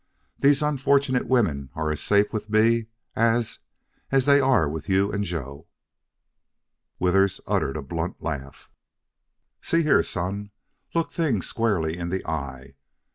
These unfortunate women are as safe with me as as they are with you and Joe." Withers uttered a blunt laugh. "See here, son, look things square in the eye.